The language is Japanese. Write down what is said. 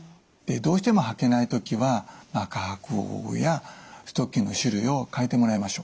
どうしても履けない時は履く方法やストッキングの種類を替えてもらいましょう。